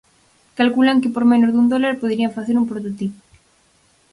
Calculan que por menos dun dólar poderían facer un prototipo.